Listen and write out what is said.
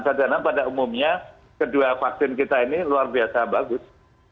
karena pada umumnya kedua vaksin kita ini luar biasa bagus